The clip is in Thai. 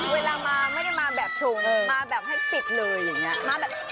เวลามาไม่ได้มาแบบชงมาแบบให้ปิดเลยอะไรอย่างนี้